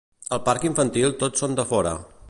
Al parc infantil tots són de fora